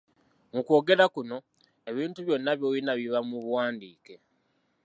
Mu kwogera kuno, ebintu byonna by’olina biba mu buwandiike.